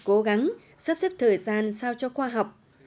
cố gắng sắp xếp thời gian sao cho khoa học